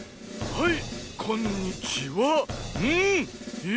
はい！